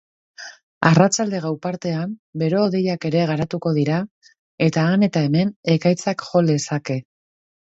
Arratsalde-gau partean bero-hodeiak ere garatuko dira eta han eta hemen ekaitzak jo lezake.